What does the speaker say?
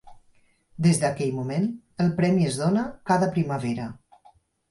Des d'aquell moment, el premi es dona cada primavera.